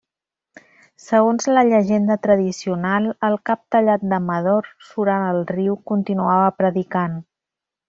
Segons la llegenda tradicional, el cap tallat d'Amador, surant al riu, continuava predicant.